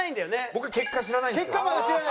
僕ら結果知らないんですよ。